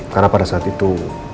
karena pada saat itu